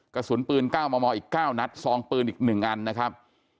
กระสุนปืน๙มมอีก๙นัดซองปืนอีก๑อันนะครับ